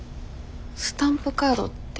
スタンプカードって？